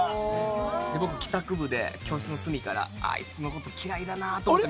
僕帰宅部で教室の隅からあいつの事嫌いだなと思って見てたんです。